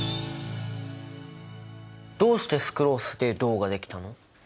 どうしてスクロースで銅ができたの？